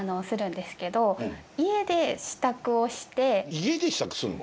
家で支度すんの？